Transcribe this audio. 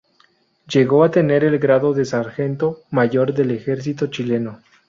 Llegó a tener el grado de sargento mayor del Ejercito Chileno.